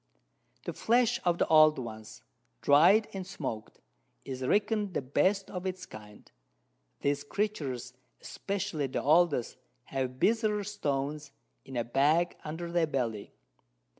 The Flesh of the old ones, dried and smoaked, is reckon'd the best of its kind. These Creatures, especially the oldest, have Bezoar Stones, in a Bag under their Belly.